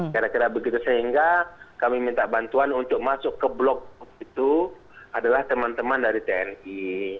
kira kira begitu sehingga kami minta bantuan untuk masuk ke blok itu adalah teman teman dari tni